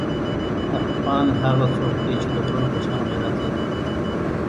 افغان هغه څوک دی چې د غرونو په شان غیرت لري.